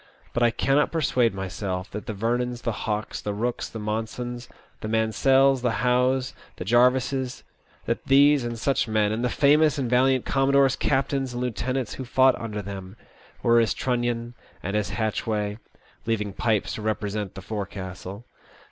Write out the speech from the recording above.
But I cannot persuade myself that the Vernons, the Hawkes, the Bookes, the Monsons, the Mansells, the Howes, the Jarvises— 'that these and such men, and the famous and valiant commodores, captains, and lieutenants who fought under them, were as Trunnion and as Hatchway, leaving Pipes to represent the forecastle.